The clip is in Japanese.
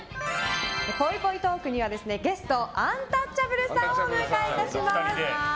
ぽいぽいトークにはゲストにアンタッチャブルさんをお迎えいたします。